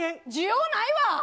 需要ないわ！